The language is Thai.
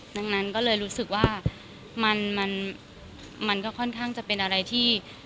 ดังนั้นก็เลยรู้สึกว่ามันก็ค่อนข้างจะเป็นอะไรที่